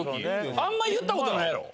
あんま言ったことないやろ？